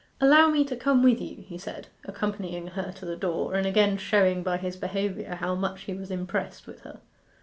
'Allow me to come with you,' he said, accompanying her to the door, and again showing by his behaviour how much he was impressed with her.